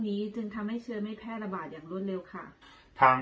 นี้จึงทำให้เชื้อไม่แพร่ระบาดอย่างรวดเร็วค่ะ